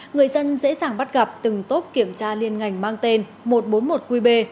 người dân dễ dàng bắt gặp từng tốp kiểm tra liên ngành mang tên một trăm bốn mươi một qb